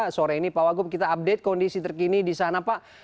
sore ini pak wagub kita update kondisi terkini di sana pak